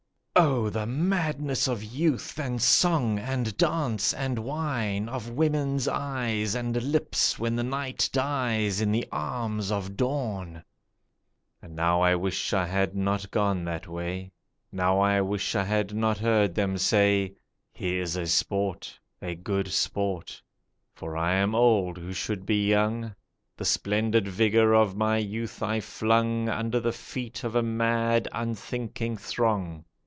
Oh the madness of youth and song and dance and wine, Of woman's eyes and lips, when the night dies in the arms of dawn! And now I wish I had not gone that way. Now I wish I had not heard them say, 'He is a sport, a good sport!' For I am old who should be young. The splendid vigour of my youth I flung Under the feet of a mad, unthinking throng.